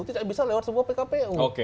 tidak bisa lewat sebuah pkpu